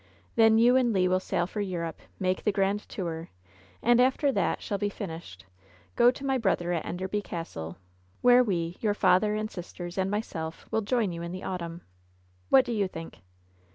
Then you and Le will sail for Europe, make the grand tour, and after that shall be finished, go to my brother at Enderby Castle, where we — ^your father, and sisters, and myself — will join you in the autumn. What do you think